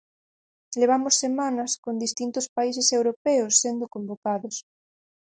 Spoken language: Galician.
Levamos semanas con distintos países europeos sendo convocados.